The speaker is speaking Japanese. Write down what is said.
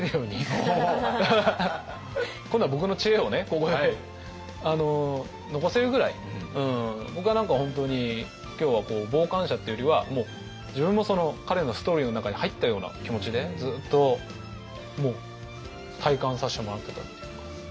おお！今度は僕の知恵をここで残せるぐらい僕は何か本当に今日は傍観者っていうよりはもう自分も彼のストーリーの中に入ったような気持ちでずっと体感させてもらったというか。